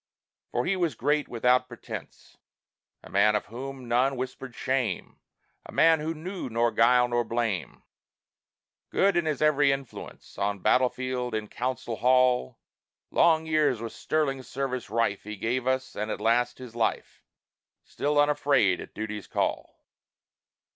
For he was great without pretence; A man of whom none whispered shame, A man who knew nor guile nor blame; Good in his every influence. On battle field, in council hall, Long years with sterling service rife He gave us, and at last his life Still unafraid at duty's call.